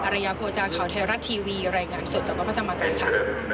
อรัยาโพจาห์ข่าวเทราทีวีแรงงานส่วนจากวัดพระธรรมกายค่ะ